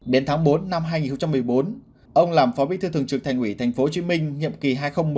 đến tháng bốn năm hai nghìn một mươi bốn ông làm phó bí thư thường trực thành ủy tp hcm nhiệm kỳ hai nghìn một mươi năm hai nghìn một mươi bảy